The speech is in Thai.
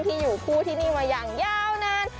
ที่อยู่คู่ที่นี่มาอย่างยาวนาน